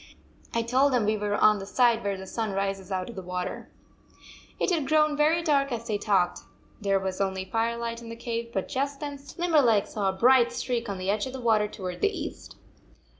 I told them we were on the side where the sun rises out of the water." It had grown very dark as they talked. There was only firelight in the cave, but just then Limberleg saw a bright streak on the edge of the water toward the east.